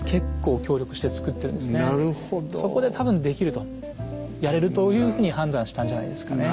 そこで多分できるとやれるというふうに判断したんじゃないですかね。